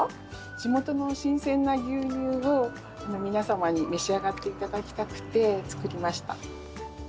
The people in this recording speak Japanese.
地元の新鮮な牛乳を皆様に召し上がっていただきたくて作りました。